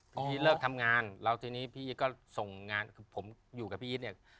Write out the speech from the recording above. พี่อีทเลิกทำงานแล้วทีนี้พี่ก็ส่งงานคือผมอยู่กับพี่อีทเนี่ย